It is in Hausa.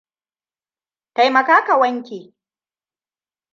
Taimaka ka wanke.